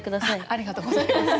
ありがとうございます。